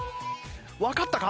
わかったか？